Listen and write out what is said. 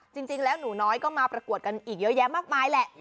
จริงแล้วหนูน้อยก็มาประกวดกันอีกเยอะแยะมากมายแหละ